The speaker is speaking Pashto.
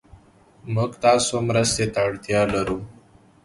موږ تاسو مرستې ته اړتيا لرو